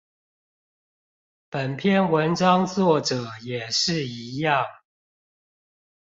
本篇文章作者也是一樣